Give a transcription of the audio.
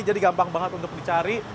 jadi gampang banget untuk dicari